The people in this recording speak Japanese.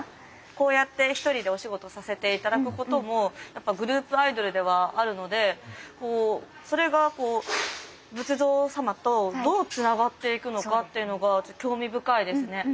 こうやって１人でお仕事させて頂くこともやっぱグループアイドルではあるのでそれがこう仏像様とどうつながっていくのかっていうのが興味深いですね。